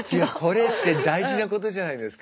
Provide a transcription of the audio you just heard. これって大事なことじゃないですか。